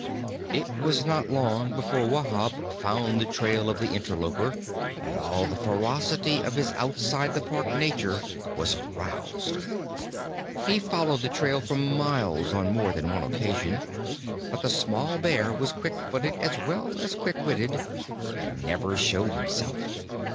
It was not long before Wahb found the trail of the interloper, and all the ferocity of his outside the Park nature was aroused. He followed the trail for miles on more than one occasion. But the small Bear was quick footed as well as quick witted, and never showed himself.